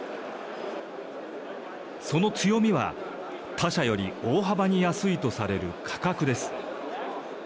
その強みは他社より大幅に安いとされる価格です。